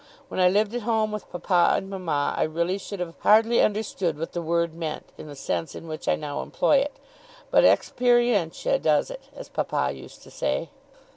When I lived at home with papa and mama, I really should have hardly understood what the word meant, in the sense in which I now employ it, but experientia does it, as papa used to say.